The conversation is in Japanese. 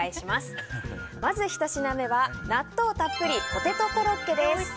まず１品目は納豆たっぷりポテトコロッケです。